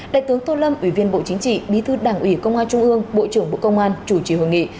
đại tướng tô lâm ủy viên bộ chính trị bí thư đảng ủy công an trung ương bộ trưởng bộ công an chủ trì hội nghị